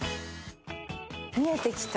見えてきた。